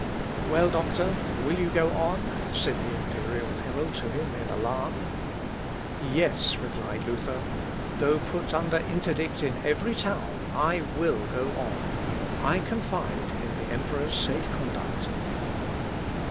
"Well, doctor, will you go on?" said the imperial herald to him in alarm. "Yes," replied Luther, "though put under interdict in every town, I will go on: I confide in the emperor's safe conduct."